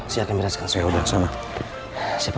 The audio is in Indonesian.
kejadian menyreadingimu sedikit tapi kenapa jangan mereka